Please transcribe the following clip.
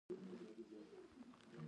ځوانان ولې د هیواد راتلونکی دی؟